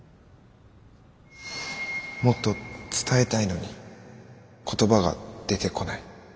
もっと伝えたいのに言葉が出てこない。